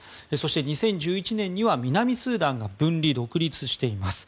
２０１１年には南スーダンが分離・独立しています。